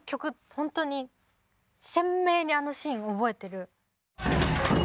本当に鮮明にあのシーン覚えてる。